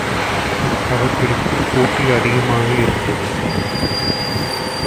அவர்களுக்குள் போட்டி அதிகமாக இருந்தது.